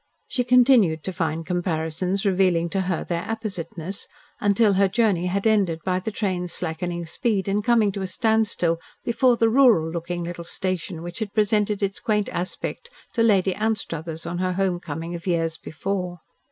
She continued to find comparisons revealing to her their appositeness, until her journey had ended by the train's slackening speed and coming to a standstill before the rural looking little station which had presented its quaint aspect to Lady Anstruthers on her home coming of years before.